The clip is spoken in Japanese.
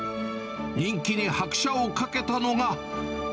人気に拍車をかけたのが。